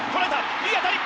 いい当たり！